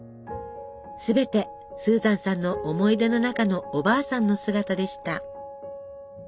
すべてスーザンさんの思い出の中のおばあさんの姿でした。